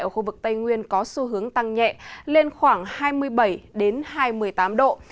ở khu vực tây nguyên có xu hướng tăng nhẹ lên khoảng hai mươi bảy hai mươi tám độ